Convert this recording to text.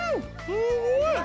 すごい！